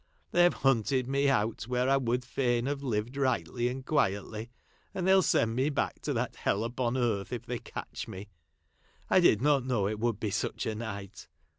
They 've hunted me out where T would fain have lived rightly and quietly, and they '11 send me back to that hell upon, earth if they catch me. I did not know it would be such a night.